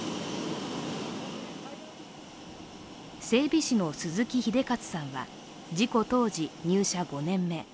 整備士の鈴木秀勝さんは事故当時、入社５年目。